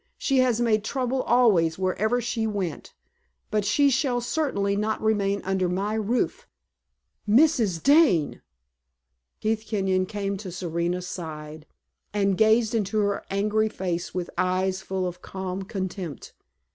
She has made trouble always where ever she went. But she shall certainly not remain under my roof!" "Mrs. Dane!" Keith Kenyon came to Serena's side and gazed into her angry face with eyes full of calm contempt.